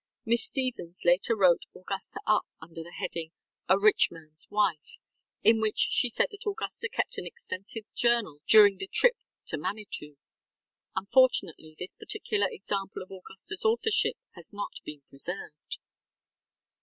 Miss Stevens later wrote Augusta up under the heading, ŌĆ£A Rich ManŌĆÖs Wife, ŌĆØ in which she said that Augusta kept an extensive journal during the trip to Manitou. Unfortunately this particular example of AugustaŌĆÖs authorship has not been preserved.